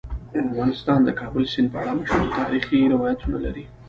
افغانستان د کابل سیند په اړه مشهور تاریخی روایتونه لري.